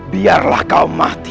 biarlah kau mati